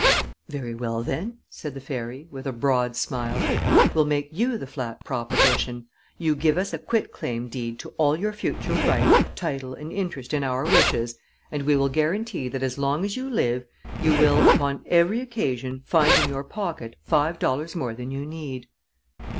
"Very well, then," said the fairy, with a broad smile. "We'll make you the flat proposition you give us a quit claim deed to all your future right, title, and interest in our wishes, and we will guarantee that as long as you live you will, upon every occasion, find in your pocket five dollars more than you need."